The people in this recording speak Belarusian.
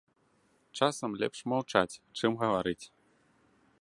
Часам лепш маўчаць, чым гаварыць.